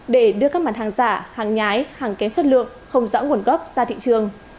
để đưa các mặt hàng giả hàng nhái hàng kém chất lượng không rõ nguồn gốc ra thị trường